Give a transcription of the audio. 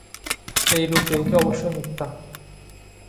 এই রূপে এটি অবশ্যই মিথ্যা।